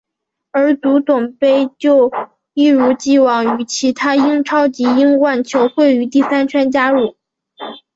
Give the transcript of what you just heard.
而足总杯就一如已往与其他英超及英冠球会于第三圈才加入。